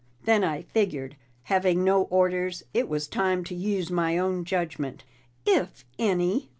Then I figured, having no orders, it was time to use my own judgment." "If any!"